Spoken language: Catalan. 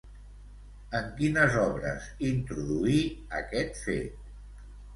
En quines obres introduí aquest fet?